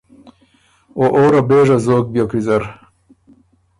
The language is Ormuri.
او او ره بېژه زوک بیوک ویزر۔